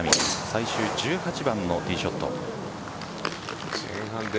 最終１８番のティーショット。